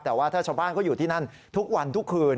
แต่ว่าถ้าชาวบ้านเขาอยู่ที่นั่นทุกวันทุกคืน